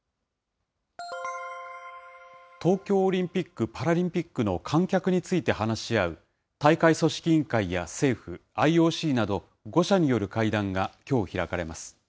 東京オリンピック・パラリンピックの観客について話し合う大会組織委員会や政府、ＩＯＣなど、５者による会談がきょう開かれます。